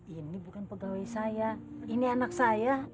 ini bukan pegawai saya ini anak saya